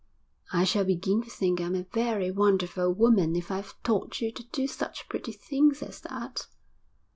'I shall begin to think I'm a very wonderful woman if I've taught you to do such pretty things as that.'